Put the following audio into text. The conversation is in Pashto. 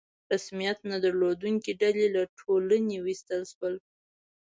رسمیت نه درلودونکي ډلې له ټولنې ویستل شول.